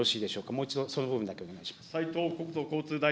もう一度その部分だけお願いします。